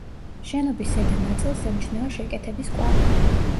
შენობის ზედა ნაწილს ემჩნევა შეკეთების კვალი.